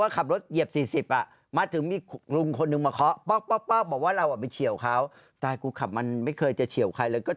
ขับรถมาเฉยเลยไม่ได้มีอะไร